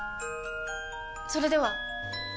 それでは！